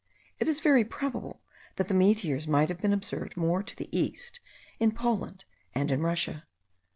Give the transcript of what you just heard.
It is very probable, that the meteors might have been observed more to the east, in Poland and in Russia.